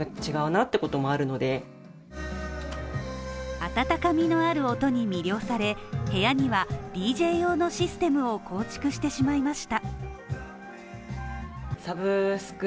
温かみのある音に魅了され、部屋にはＤＪ用のシステムを構築してしまいました。